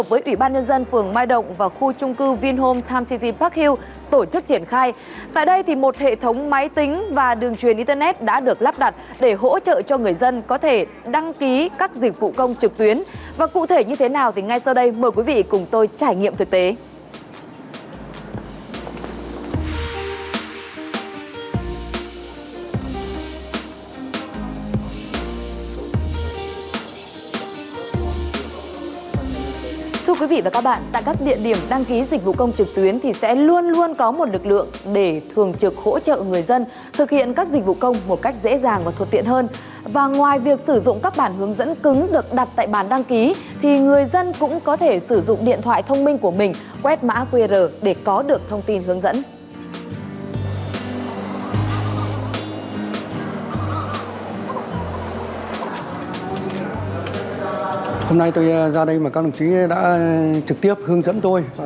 và ngoài việc sử dụng các bản hướng dẫn cứng được đặt tại bản đăng ký thì người dân cũng có thể sử dụng điện thoại thông minh của mình quét mã qr để có được thông tin hướng dẫn